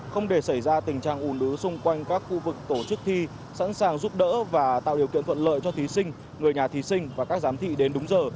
không để xảy ra tình trạng ủn ứ xung quanh các khu vực tổ chức thi sẵn sàng giúp đỡ và tạo điều kiện thuận lợi cho thí sinh người nhà thí sinh và các giám thị đến đúng giờ